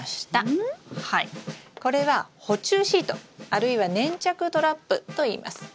これは捕虫シートあるいは粘着トラップといいます。